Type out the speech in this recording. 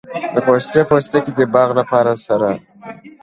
د پستې پوستکي د باغ لپاره سره ده؟